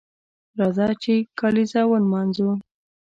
راځه چې کالیزه ونمانځو